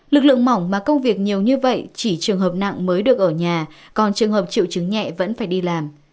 lực lượng mỏng mà công việc nhiều như vậy chỉ trường hợp nặng mới được ở nhà còn trường hợp triệu chứng nhẹ vẫn phải đi làm